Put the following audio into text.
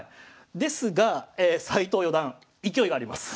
ですが斎藤四段勢いがあります。